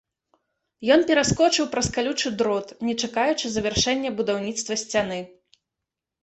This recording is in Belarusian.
Ён пераскочыў праз калючы дрот, не чакаючы завяршэння будаўніцтва сцяны.